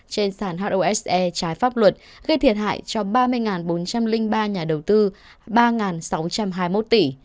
trên sàn hose trái pháp luật gây thiệt hại cho ba mươi bốn trăm linh ba nhà đầu tư ba sáu trăm hai mươi một tỷ